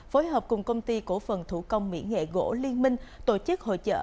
phối hợp cùng công ty cổ phần thủ công mỹ nghệ gỗ liên minh tổ chức hội trợ